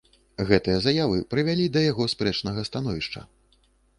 Гэтыя заявы прывялі да яго спрэчнага становішча.